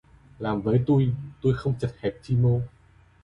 Làm với tui, tui không chật hẹp chi mô